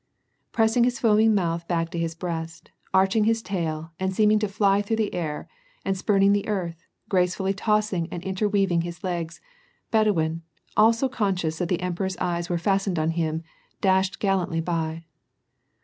Pressing his foaming mouth back to his breast, arching his tail, and seem ing to fly through the air, and spurning the earth, gracefully tossing and interweaving his legs. Bedouin, also conscious that the emperor's eyes were fastened on him, dashed gal lantly by.